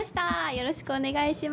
よろしくお願いします。